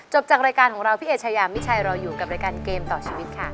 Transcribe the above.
จากรายการของเราพี่เอชายามิชัยรออยู่กับรายการเกมต่อชีวิตค่ะ